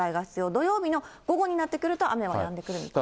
土曜日の午後になってくると、雨はやんでくる見込みです。